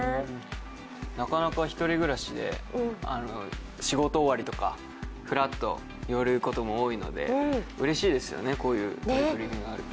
なかなか１人暮らしで仕事終わりとかふらっと寄ることが多いのでうれしいですよね、こういう取り組みがあると。